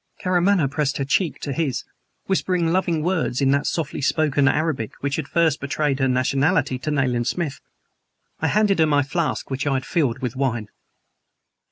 Karamaneh pressed her cheek to his, whispering loving words in that softly spoken Arabic which had first betrayed her nationality to Nayland Smith. I handed her my flask, which I had filled with wine.